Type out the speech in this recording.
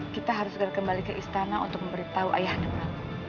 kita harus kembali ke istana untuk memberitahu ayahanda prabu